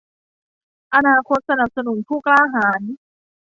อนาคตสนับสนุนผู้กล้าหาญ